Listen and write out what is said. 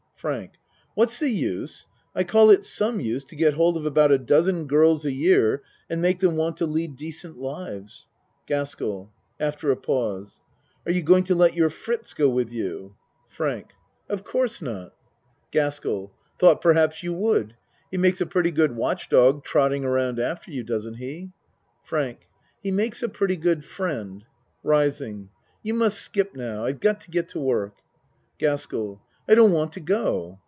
FRANK What's the use? I call it some use to get hold of about a dozen girls a year and make them want to lead decent lives. GASKELL (After a pause.) Are you going to let your Fritz go with you? ACT I 45 FRANK Of course not. GASKELL Thought perhaps you would. He makes a pretty good watch dog trotting around af ter you. Doesn't he? FRANK He makes a pretty good friend. (Ris ing) You must skip now. I've got to get to work! GASKELL I don't want to go.